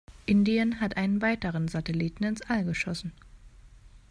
Indien hat einen weiteren Satelliten ins All geschossen.